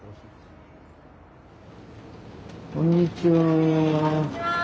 こんにちは。